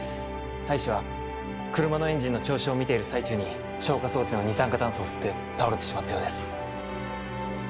大使は車のエンジンの調子を見ている最中に消火装置の二酸化炭素を吸って倒れてしまったようです